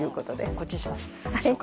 こっちにします。